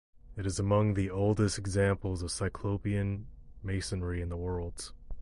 It is among the oldest examples of cyclopean masonry in the world.